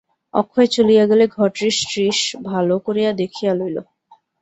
অক্ষয় চলিয়া গেলে ঘরটি শ্রীশ ভালো করিয়া দেখিয়া লইল।